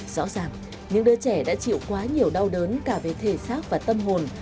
rõ ràng những đứa trẻ đã chịu quá nhiều đau đớn cả về thể xác và tâm hồn